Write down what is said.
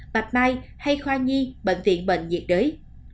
bạch mai hay khoa nhi bệnh viện bệnh nhiệt đới